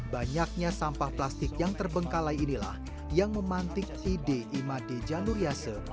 banyaknya sampah plastik yang terbengkalai inilah yang memantik ide imade januriase